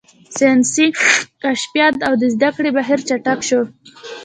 ساینسي کشفیات او د زده کړې بهیر چټک شو.